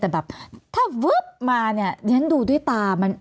แต่แบบถ้าวึบมาเนี่ยฉันดูด้วยตามัน